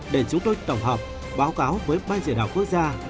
để chúng tôi tổng hợp báo cáo với ban chỉ đạo quốc gia